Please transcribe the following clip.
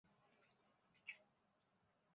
কিভাবে যাবে তা নিয়ে ব্যস্ত নই।